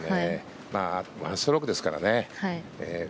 １ストロークですからね。